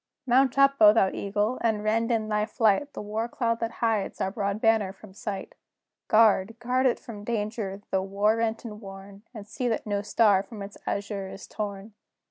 Mount up, O thou Eagle! and rend, in thy flight, The war cloud that hides our broad banner from sight! Guard, guard it from danger, though war rent and worn, And see that no star from its azure is torn!